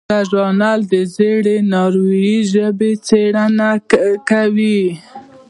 دا ژورنال د زړې ناروېي ژبې څیړنه کوي.